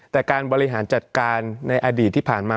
แต่การบริหารจัดการในอดีตที่ผ่านมา